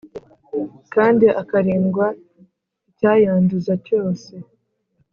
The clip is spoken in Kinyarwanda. kandi akarindwa icyayanduza cyose